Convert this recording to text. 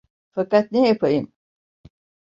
Fakat ne yapayım?